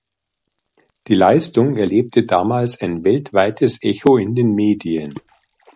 Die Leistung erlebte damals ein weltweites Echo in den Medien.